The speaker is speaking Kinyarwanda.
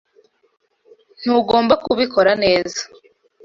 Ntugomba kubikora neza.